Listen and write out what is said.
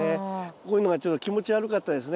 こういうのがちょっと気持ち悪かったらですね